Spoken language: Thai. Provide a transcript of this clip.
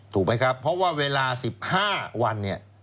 ถูกไหมครับเพราะว่าเวลา๑๕วันเนี่ย